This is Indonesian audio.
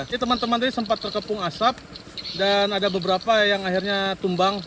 jadi teman teman ini sempat terkepung azab dan ada beberapa yang akhirnya tumbang